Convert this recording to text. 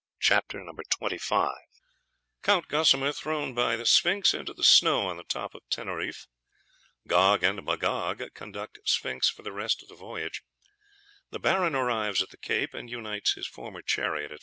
CHAPTER XXV _Count Gosamer thrown by Sphinx into the snow on the top of Teneriffe Gog and Magog conduct Sphinx for the rest of the voyage The Baron arrives at the Cape, and unites his former chariot, &c.